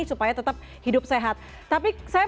supaya tetap hidup sehat tapi saya